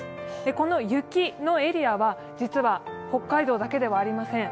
この雪のエリアは実は北海道だけではありません。